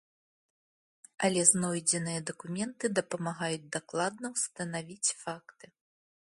Але знойдзеныя дакументы дапамагаюць дакладна ўстанавіць факты.